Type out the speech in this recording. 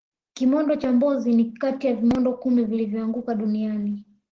kimondo cha mbozi ni Kati ya vimondo kumi vilivyoanguka duniani